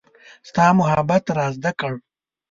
ستا محبت را زده کړه